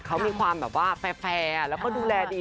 เขามีความแบบว่าแฟร์แล้วก็ดูแลดี